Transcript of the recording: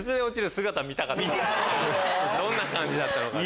どんな感じだったのか。